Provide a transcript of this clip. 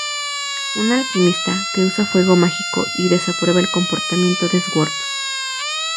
Un alquimista que usa fuego mágico y desaprueba el comportamiento de Sword.